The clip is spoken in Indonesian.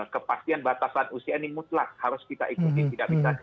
kemungkinan usia ini harus kita ikuti